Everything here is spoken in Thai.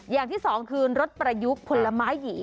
อย่างที่สองคือรถประยุกต์ผลไม้หยี